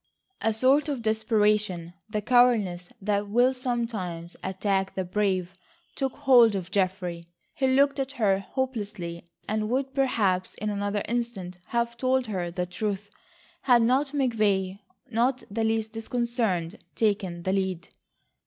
A sort of desperation, the cowardice that will sometimes attack the brave took hold of Geoffrey. He looked at her hopelessly and would perhaps in another instant have told her the truth, had not McVay, not the least disconcerted, taken the lead.